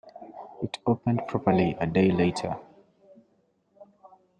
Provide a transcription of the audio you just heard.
It opened properly a day later.